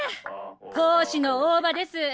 講師の大葉です。